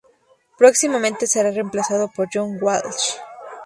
Próximamente será reemplazado por John Walsh.